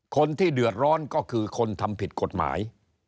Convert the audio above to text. คนที่เดือดร้อนก็คือคนทำผิดกฎหมาย